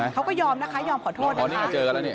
เขาก็ยอมนะคะยอมขอโทษนะคะ